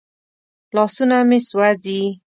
لاسونه مې سوځي.